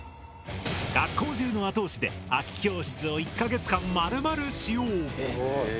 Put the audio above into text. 学校中の後押しで空き教室を１か月間まるまる使用。